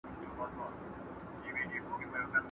¬ يو وار نوک ځاى که، بيا سوک.